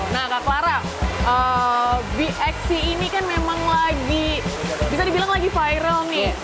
nah agak clara bxc ini kan memang lagi bisa dibilang lagi viral nih